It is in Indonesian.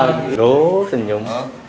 nggak kelihatan pak